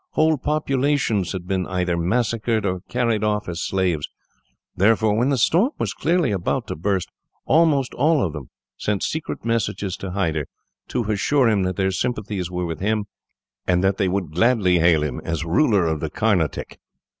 Whole populations had been either massacred, or carried off as slaves. Therefore, when the storm was clearly about to burst, almost all of them sent secret messages to Hyder, to assure him that their sympathies were with him, and that they would gladly hail him as ruler of the Carnatic.